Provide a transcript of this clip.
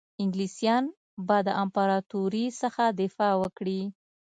انګلیسیان به د امپراطوري څخه دفاع وکړي.